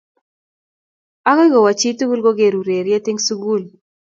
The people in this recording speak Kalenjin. Agoi kowo chitugul ko geer ureriet eng' sukul